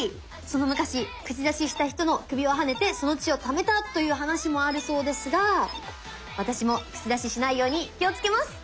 その昔口出しした人の首をはねてその血をためたという話もあるそうですが私も口出ししないように気をつけます！